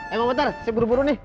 eh bang pak hatar sip buru buru nih